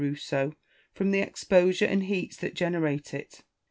Rousseau, from the exposure and heats that generate it.